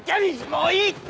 もういいって！